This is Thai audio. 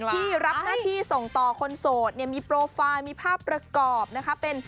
ที่รับหน้าที่ส่งต่อคนโสดเนี่ยมีโปรไฟล์มีภาพประกอบนะคะเป็น